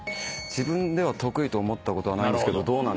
自分では得意と思ったことはないんですがどうなんですかね。